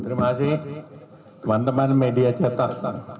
ini cuma bedanya catatan